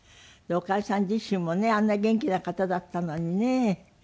岡江さん自身もねあんなに元気な方だったのにね。